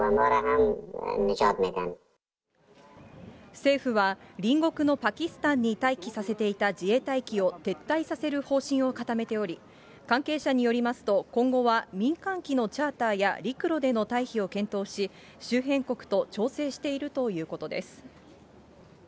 政府は隣国のパキスタンに待機させていた自衛隊機を撤退させる方針を固めており、関係者によりますと、今後は民間機のチャーターや陸路での退避を検討し、周辺国と調整しているということです。